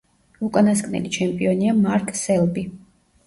უკანასკნელი ჩემპიონია მარკ სელბი.